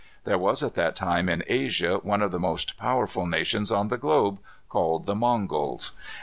There was, at that time, in Asia, one of the most powerful nations on the globe, called the Mongols.